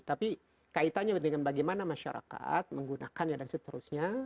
tapi kaitannya dengan bagaimana masyarakat menggunakannya dan seterusnya